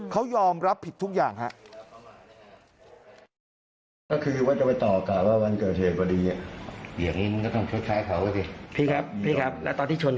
เขายอมรับผิดทุกอย่างครับ